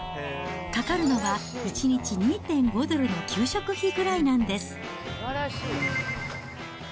かかるのは１日２．５ドルの給食費ぐらいなんです。